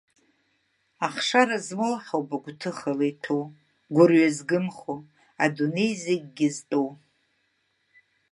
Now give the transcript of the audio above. Ахшара змоу ҳауп гәҭыхала иҭәу, гәырҩа згымхо, адунеи зегьгьы зтәу!